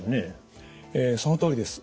そのとおりです。